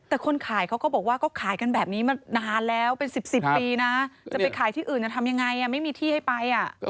แต่คนขายเขาก็บอกว่าก็ขายกันแบบนี้มานานแล้วเป็น๑๐ปีนะจะไปขายที่อื่นจะทำยังไงไม่มีที่ให้ไป